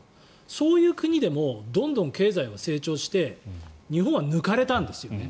そういう国でもどんどん経済は成長して日本は抜かれたんですよね。